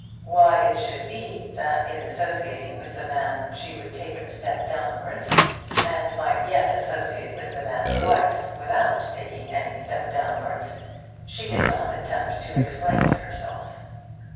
Why it should be that in associating with the man she would take a step downwards, and might yet associate with the man's wife without taking any step downwards, she did not attempt to explain to herself.